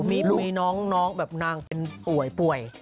มีลุยน้องแบบนางเป็นป่วย